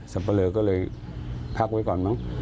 สับปะเราก็เลยพักไว้ก่อน